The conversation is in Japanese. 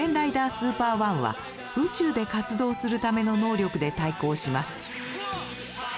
スーパー１は宇宙で活動するための能力で対抗します。